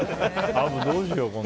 アブ、どうしよう。